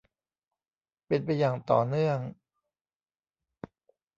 เป็นไปอย่างต่อเนื่อง